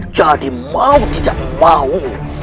jadi mau tidak mau